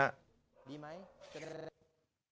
ลุงอยู่กับใครบ้าง